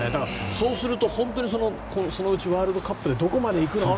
そうすると、本当にそのうちワールドカップでどこまで行くの？